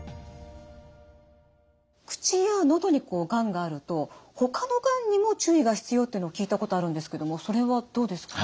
口や喉にこうがんがあるとほかのがんにも注意が必要っていうのを聞いたことあるんですけどもそれはどうですか？